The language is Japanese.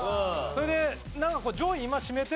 それで。